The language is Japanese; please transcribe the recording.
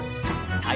はい。